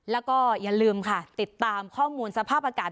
แล้วก็อย่าลืมค่ะติดตามข้อมูลสภาพอากาศ